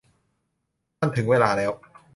มันถึงเวลาแล้ว